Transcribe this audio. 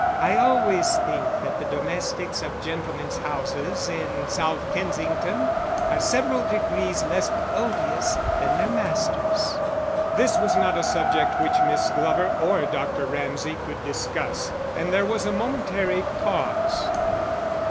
I always think that the domestics of gentlemen's houses in South Kensington are several degrees less odious than their masters." This was not a subject which Miss Glover or Dr. Ramsay could discuss, and there was a momentary pause.